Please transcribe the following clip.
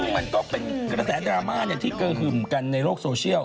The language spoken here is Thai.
มันก็เป็นกระแสดราม่าที่เกิดขึ้นกันในโลกโซเชียล